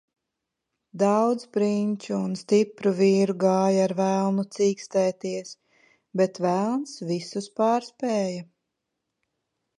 Daudz prinču un stipru vīru gāja ar velnu cīkstēties, bet velns visus pārspēja.